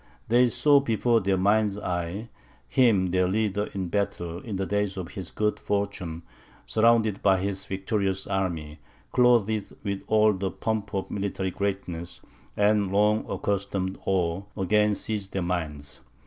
They saw before their mind's eye him their leader in battle, in the days of his good fortune, surrounded by his victorious army, clothed with all the pomp of military greatness, and long accustomed awe again seized their minds.